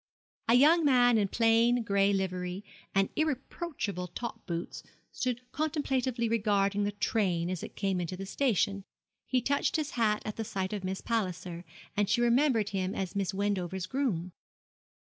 A young man in a plain gray livery and irreproachable top boots stood contemplatively regarding the train as it came into the station. He touched his hat at sight of Miss Palliser, and she remembered him as Miss Wendover's groom.